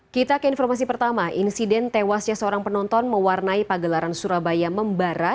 kita ke informasi pertama insiden tewasnya seorang penonton mewarnai pagelaran surabaya membara